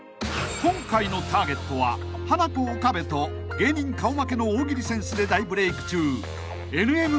［今回のターゲットはハナコ岡部と芸人顔負けの大喜利センスで大ブレーク中